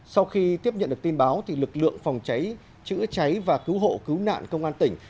sau khi tiếp nhận được tin báo lực lượng phòng cháy chữa cháy và cứu hộ cứu nạn công an tỉnh